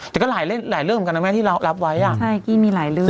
แต่ก็หลายหลายเรื่องเหมือนกันนะแม่ที่เรารับไว้อ่ะใช่กี้มีหลายเรื่อง